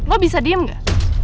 lo bisa diem gak